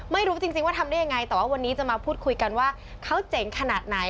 ไม่รู้จริงว่าทำได้ยังไงแต่ว่าวันนี้จะมาพูดคุยกันว่าเขาเจ๋งขนาดไหน